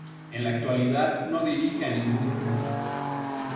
En la actualidad no dirige a ningún club.